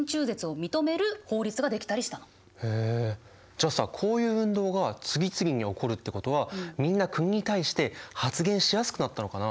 じゃあさこういう運動が次々に起こるってことはみんな国に対して発言しやすくなったのかな。